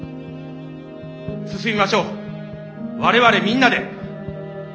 進みましょう我々みんなで。